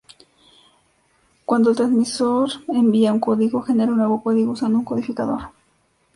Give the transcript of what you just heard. Cuando el transmisor envía un código, genera un nuevo código usando un codificador.